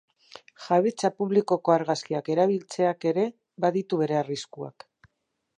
Jabetza publikoko argazkiak erabiltzeak ere baditu bere arriskuak.